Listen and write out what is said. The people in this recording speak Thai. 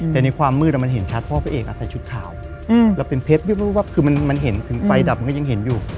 แต่ในความมืดมันเห็นชัดเพราะพระเอกใส่ชุดขาวแล้วเป็นเพชรคือมันเห็นถึงไฟดับมันก็ยังเห็นอยู่